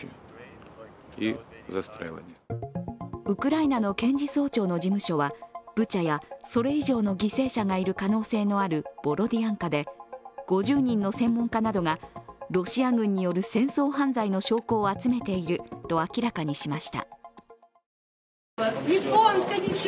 ウクライナの検事総長の事務所はブチャやそれ以上の犠牲者がいる可能性のあるボロディアンカで５０人の専門家などがロシア軍による戦争犯罪の証拠を集めていると明らかにしました。